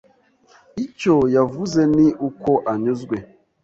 Icyo yavuze ni uko anyuzwe.